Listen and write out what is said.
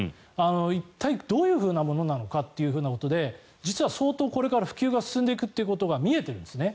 一体、どういうふうなものなのかということで実は相当、これから普及が進んでいくということが見えているんですね。